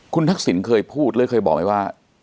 คุณทักษิณเคยพูดหรือเคยบอกไหมว่า